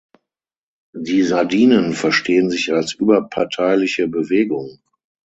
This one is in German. Die Sardinen verstehen sich als überparteiliche Bewegung.